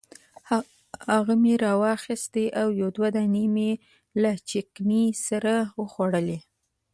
هغه مې راواخیستې یو دوه دانې مې له چکني سره وخوړلې.